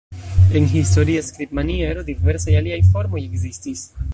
En historia skribmaniero, diversaj aliaj formoj ekzistis.